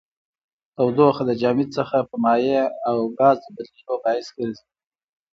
تودوخه د جامد څخه په مایع او ګاز د بدلیدو باعث ګرځي.